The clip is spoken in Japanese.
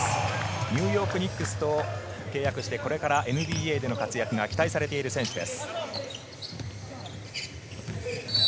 ニューヨーク・ニックスと契約して、これからＮＢＡでの活躍が期待されている選手です。